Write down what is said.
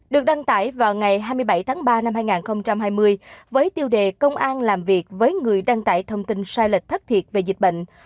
được đăng tải vào ngày hai mươi bảy tháng ba năm hai nghìn hai mươi với tiêu đề công an làm việc với người đăng tải thông tin sai lệch thất thiệt về dịch bệnh